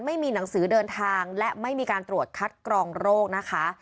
ไม่มีหนังสือเดินทางและไม่มีการตรวจคัดกรองโรคนะคะ